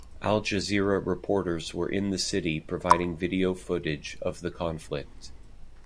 Al Jazeera reporters were in the city providing video footage of the conflict.